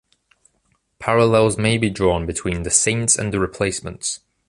Parallels may be drawn between The Saints and The Replacements.